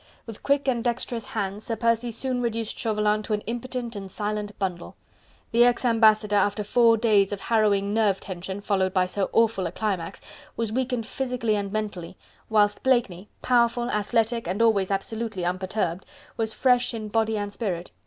With quick and dexterous hands, Sir Percy soon reduced Chauvelin to an impotent and silent bundle. The ex ambassador after four days of harrowing nerve tension, followed by so awful a climax, was weakened physically and mentally, whilst Blakeney, powerful, athletic and always absolutely unperturbed, was fresh in body and spirit.